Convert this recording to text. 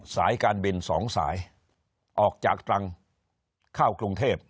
สายการบินสองสายออกจากตรังเข้ากรุงเทพ